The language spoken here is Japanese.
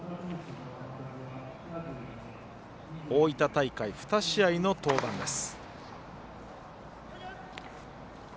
大分大会、２試合の登板です。